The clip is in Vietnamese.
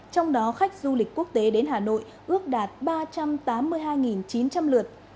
trong đó khách du lịch quốc tế đến hà nội ước đạt ba trăm tám mươi hai chín trăm linh lượt